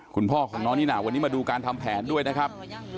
คุณพ่อของน้องนิน่าวันนี้มาดูการทำแผนด้วยนะครับ